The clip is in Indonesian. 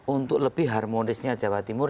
untuk lebih harmonisnya jawa timur